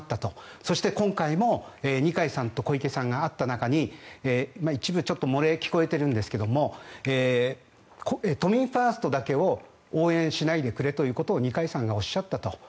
そして今回も二階さんと小池さんが会った中に一部漏れ聞こえているんですが都民ファーストだけを応援しないでくれということを二階さんがおっしゃったと。